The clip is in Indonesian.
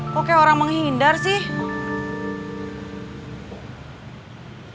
kok kayak orang menghindar sih